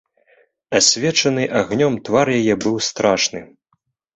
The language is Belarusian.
Асвечаны агнём твар яе быў страшны.